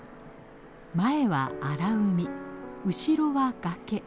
前は荒海後ろは崖。